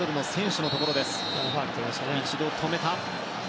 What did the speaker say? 一度、止めた。